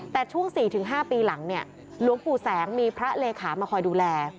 แต่ช่วง๔๕ปีหลังเนี่ยหลวงปู่แสงมีพระเลขามาคอยดูแล